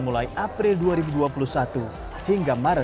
mulai april dua ribu dua puluh satu hingga maret dua ribu dua puluh dua